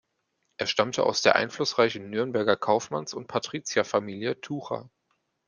Er stammte aus der einflussreichen Nürnberger Kaufmanns- und Patrizierfamilie Tucher.